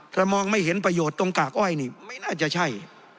ถ้ามองไม่เห็นประโยชน์ตรงกากอ้อยนี่ไม่น่าจะใช่